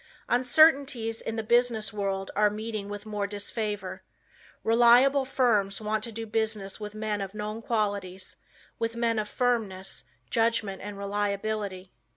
Uncertainties in the business world are meeting with more disfavor. Reliable firms want to do business with men of known qualities, with men of firmness, judgment and reliability.